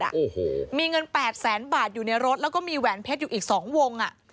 โอ้โหมีเงินแปดแสนบาทอยู่ในรถแล้วก็มีแหวนเพชรอยู่อีกสองวงอ่ะ